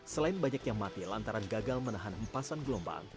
selain banyak yang mati lantaran gagal menahan empasan gelombang